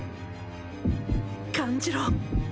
感じろ！